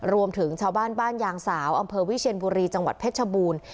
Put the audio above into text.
รวมถึงชาวบ้านบ้านยางสาวอำเภอวิเชียนบุรีจังหวัดเพชรชบูรณ์